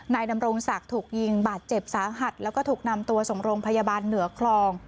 ดำรงศักดิ์ถูกยิงบาดเจ็บสาหัสแล้วก็ถูกนำตัวส่งโรงพยาบาลเหนือคลอง